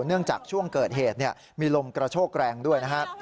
เนื่องจากช่วงเกิดเหตุเนี่ยมีลมกระโชคแรงด้วยนะฮะ